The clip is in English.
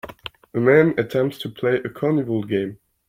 A man attempts to play a carnival game.